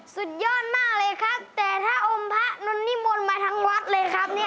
สุดยอดมากเลยครับแต่ถ้าอมพระนนนิมนต์มาทั้งวัดเลยครับเนี่ย